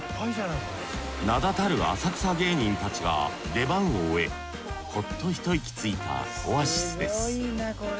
名だたる浅草芸人たちが出番を終えホッとひと息ついたオアシスです。